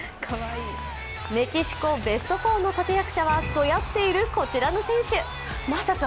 メキシコ・ベスト４の立て役者はどやっているこちらの選手。